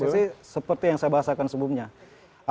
kalau saya sih seperti yang saya bahas sebelumnya